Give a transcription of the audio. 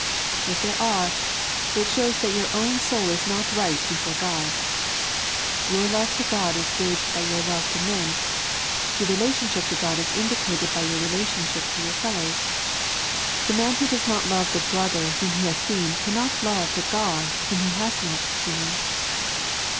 If there are, it shows that your own soul is not right before Go«J ; your love to Qod ia gauged by your love to men ; your relationship to God is indicated by your rela tionship to your feUows. The man who does not love the brother whom he has seen cannot love the Ood whom he has not seen.